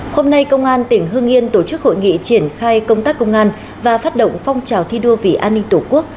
hôm nay công an tỉnh hương yên tổ chức hội nghị triển khai công tác công an và phát động phong trào thi đua vì an ninh tổ quốc